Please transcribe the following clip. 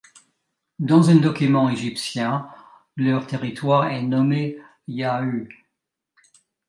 Dans un document égyptien, leur territoire est nommé Yahu.